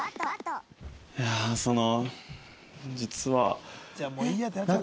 いやその。